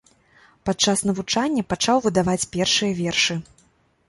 Падчас навучання пачаў выдаваць першыя вершы.